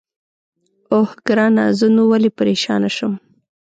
اوه، ګرانه زه نو ولې پرېشانه شم؟